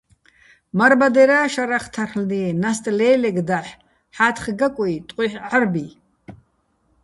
მარ-ბადერა́ შარახ თარლ'დიეჼ, ნასტ ლე́ლეგ დაჰ̦, ჰ̦ათხ გაკუჲ, ტყუჲჰ̦ ჺარბი.